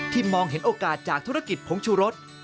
มองเห็นโอกาสจากธุรกิจผงชูรส